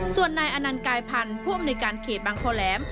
ส่วนนายอนันต์กายพันธุ์ผู้อำนวยการเขตบางคอแหลม